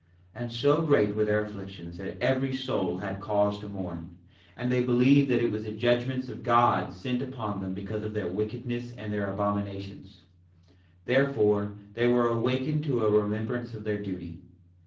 4:3 And so great were their afflictions that every soul had cause to mourn; and they believed that it was the judgments of God sent upon them because of their wickedness and their abominations; therefore they were awakened to a remembrance of their duty.